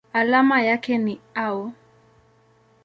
Alama yake ni Au.